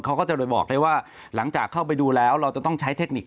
เขาก็จะไปบอกได้ว่าหลังจากเข้าไปดูแล้วเราจะต้องใช้เทคนิค